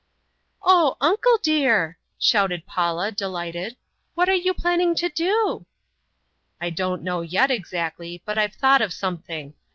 "Oh, uncle dear!" shouted Paula, delighted, "what are you planning to do?" "I don't know yet exactly, but I've thought of something.